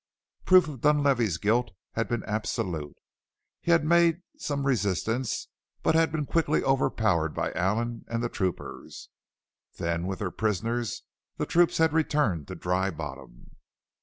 Proof of Dunlavey's guilt had been absolute. He had made some resistance, but had been quickly overpowered by Allen and the troopers. Then with their prisoners the troops had returned to Dry Bottom.